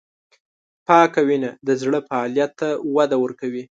پاکه وینه د زړه فعالیت ته وده ورکوي.